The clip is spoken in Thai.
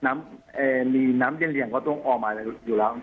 มีน้ำเลี่ยงก็ต้องออกมาอยู่แล้ว